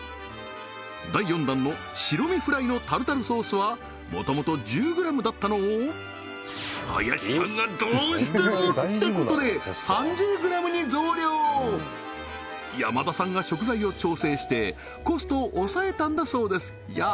第４弾の白身フライのタルタルソースはもともと１０ｇだったのを林さんがどうしてもってことで３０ｇに増量山田さんが食材を調整してコストを抑えたんだそうですや